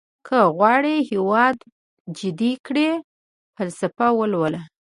که غواړئ هېواد جديد کړئ فلسفه ولولئ.